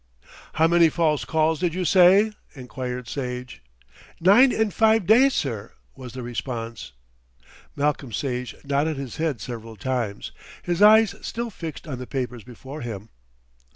"How many false calls did you say?" enquired Sage. "Nine in five days, sir," was the response. Malcolm Sage nodded his head several times, his eyes still fixed on the papers before him.